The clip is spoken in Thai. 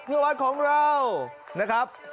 เพื่อวัดของเรานะครับ